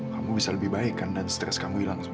kamu bisa lebih baik kan dan stres kamu hilang